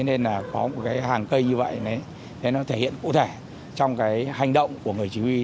nên có một hàng cây như vậy nó thể hiện cụ thể trong hành động của người chỉ huy